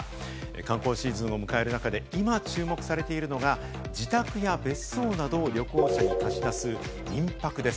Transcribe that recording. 観光シーズンを迎える中で今注目されているのが自宅や別荘などを旅行者に貸し出す民泊です。